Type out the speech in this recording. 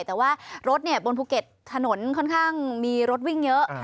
แต่ว่ารถบนภูเก็ตถนนค่อนข้างมีรถวิ่งเยอะ